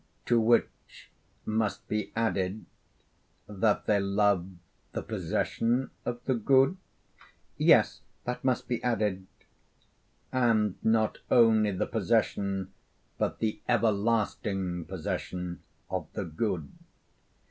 'To which must be added that they love the possession of the good?' 'Yes, that must be added.' 'And not only the possession, but the everlasting possession of the good?'